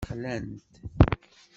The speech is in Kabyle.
Xlan-t.